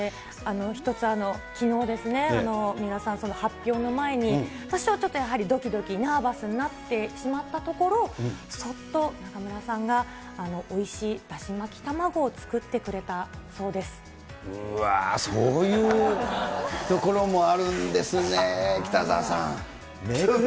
一つ、きのう、水卜さん、発表の前に多少はちょっとやはりどきどきナーバスになってしまったところ、そっと中村さんがおいしいだし巻き卵を作ってくれたそうわー、そういうところもあるんですね、北澤さん。